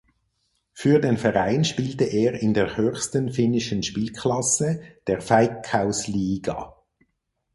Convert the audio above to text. Für den Verein spielte er in der höchsten finnischen Spielklasse, der Veikkausliiga.